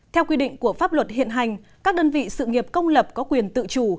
theo quy định của pháp luật hiện hành các đơn vị sự nghiệp công lập có quyền tự chủ